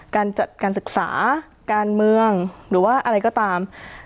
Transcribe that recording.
การจัดการศึกษาการเมืองหรือว่าอะไรก็ตาม